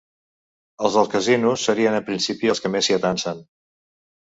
Els dels casinos serien en principi els que més s'hi atansen.